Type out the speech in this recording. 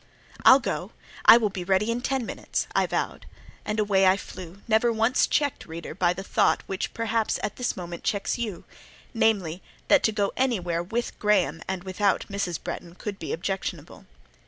"I'll go; I will be ready in ten minutes," I vowed. And away I flew, never once checked, reader, by the thought which perhaps at this moment checks you: namely, that to go anywhere with Graham and without Mrs. Bretton could be objectionable.